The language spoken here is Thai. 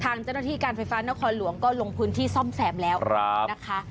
ทางเจ้าหน้าที่การไฟฟ้านครหลวงก็ลงพื้นที่ซ่อมแซมแล้วนะคะ